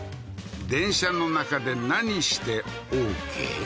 電車の中で何してＯＫ？